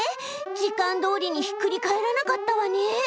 時間どおりにひっくり返らなかったわね。